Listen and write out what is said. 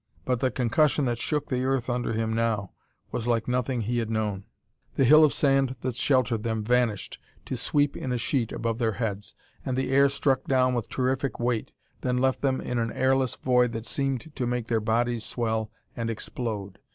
But the concussion that shook the earth under him now was like nothing he had known. The hill of sand that sheltered them vanished to sweep in a sheet above their heads. And the air struck down with terrific weight, then left them in an airless void that seemed to make their bodies swell and explode.